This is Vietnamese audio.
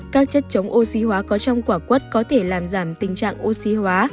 các chất chống oxy hóa có trong quả quất có thể làm giảm tình trạng oxy hóa